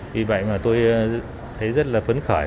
vì vậy mà tôi thấy rất là phấn khởi